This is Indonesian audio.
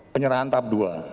penyerahan tab dua